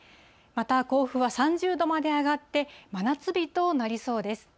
また甲府は３０度まで上がって、真夏日となりそうです。